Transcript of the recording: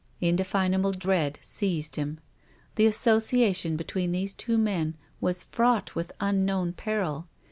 Indefinable dread seized him. The asso ciation between these two men was fraught with unknown peril.